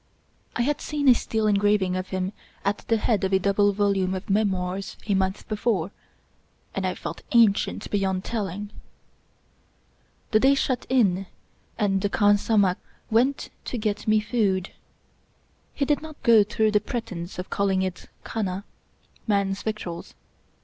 I had seen a steel en graving of him at the head of a double volume of Memoirs a month before, and I felt ancient beyond telling. The day shut in and the khansamah went to get me food. He did not go through the pretense of calling it " khana "— man's victuals.